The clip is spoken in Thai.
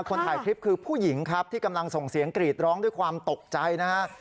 คนถ่ายคลิปคือผู้หญิงครับที่กำลังส่งเสียงกรีดร้องด้วยความตกใจนะฮะ